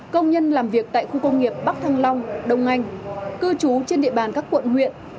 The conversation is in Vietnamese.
công nhân làm việc tại khu công nghiệp bắc thăng long đông anh cư trú trên địa bàn các quận huyện